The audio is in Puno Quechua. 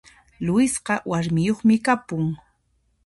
Luisqa warmiyoqmi kapun